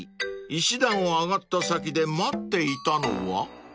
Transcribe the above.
［石段を上がった先で待っていたのは］